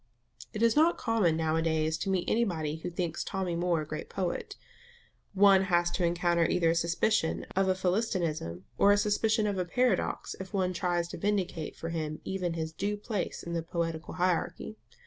It is not common now a days to meet anybody who thinks Tommy Moore a great poet; one has to encounter either a suspicion of Philistinism or a suspicion of paradox if one tries to vindicate for him even his due place in the poetical hierarchy.